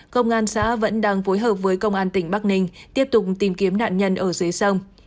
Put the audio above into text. công an xã vẫn đang phối hợp với công an tỉnh bắc ninh tiếp tục tìm kiếm nạn nhân ở dưới sông